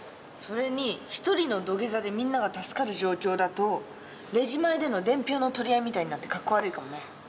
それに１人の土下座でみんなが助かる状況だとレジ前での伝票の取り合いみたいになってかっこ悪いかもね。